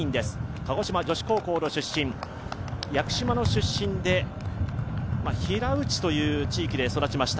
鹿児島女子高校の出身、屋久島の出身で屋久島で育ちました。